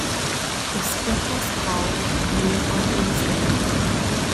The script was called "Noon on Doomsday".